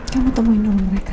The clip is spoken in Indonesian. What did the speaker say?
kamu temuin dulu mereka